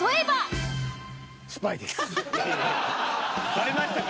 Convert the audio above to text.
「バレましたか？」